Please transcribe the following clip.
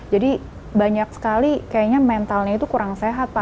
jadi banyak sekali kayaknya mentalnya itu kurang sehat pak